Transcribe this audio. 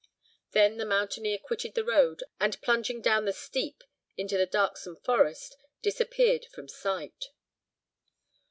Then the mountaineer quitted the road, and plunging down the steep into the darksome forest, disappeared from sight.